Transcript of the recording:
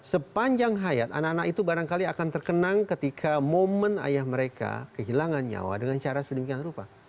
sepanjang hayat anak anak itu barangkali akan terkenang ketika momen ayah mereka kehilangan nyawa dengan cara sedemikian rupa